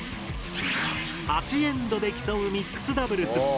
８エンドで競うミックスダブルス。